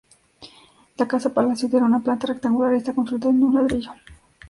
La Casa-Palacio tiene una planta rectangular y está construida en ladrillo.